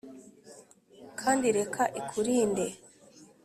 kandi reka irukunde